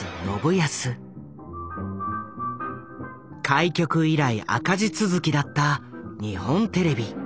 開局以来赤字続きだった日本テレビ。